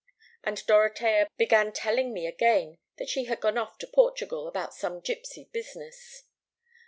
"And Dorotea began telling me again that she had gone off to Portugal about some gipsy business.